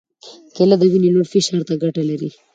کېله د وینې لوړ فشار ته ګټه لري.